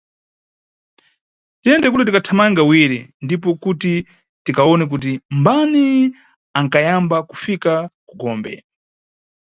Tiyende kule tikathamange awiri ndipo kuti tikawone kuti mbani anʼkayamba kufika ku gombe.